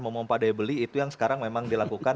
memompa daya beli itu yang sekarang memang dilakukan